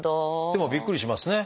でもびっくりしますね。